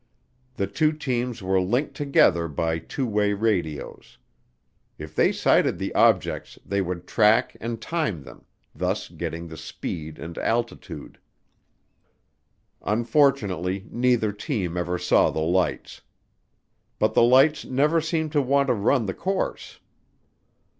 The two teams were linked together by two way radios. If they sighted the objects they would track and time them, thus getting the speed and altitude. Unfortunately neither team ever saw the lights. But the lights never seemed to want to run the course.